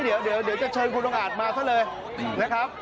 เดี๋ยวจะเชิญคุณองค์อาจมาซะเลยนะครับ